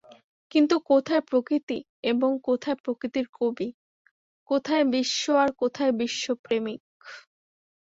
কিন্তু কোথায় প্রকৃতি এবং কোথায় প্রকৃতির কবি, কোথায় বিশ্ব আর কোথায় বিশ্বপ্রেমিক!